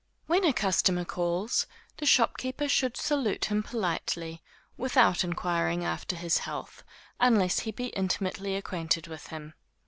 When a customer calls, the shopkeeper should salute him politely, without inquiring after his health, unless he be intimately acquainted with him.